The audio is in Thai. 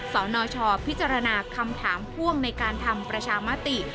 สนชพิจารณาคำถามพ่วงในการทำประชามติ